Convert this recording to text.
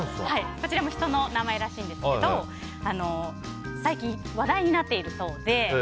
こちらも人の名前らしいんですけど最近、話題になっているそうで。